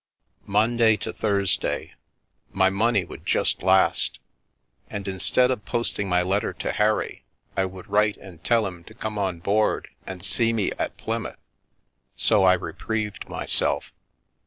" Monday to Thursday — my money would just last — and instead of posting my letter to Harry I would write and tell him to come on board and see me at Plymouth. So I reprieved myself.